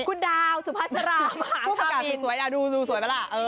คุณดาวสุภัษรามหาคามินดูสวยป่ะล่ะ